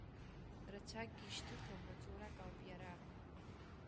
Рацәакгьы ишьҭыхым маҵурак ауп иара.